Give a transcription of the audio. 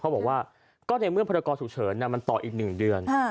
เขาบอกว่าในเมื่อพันธกอสุเฉินมันต่ออีกหนึ่งเดือน